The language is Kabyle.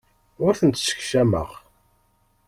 Ur tent-ssekcameɣ.